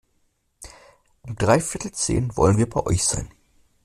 Um dreiviertel zehn wollen wir bei euch sein.